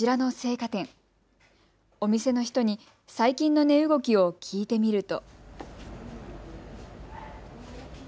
お店の人に最近の値動きを聞いてみると。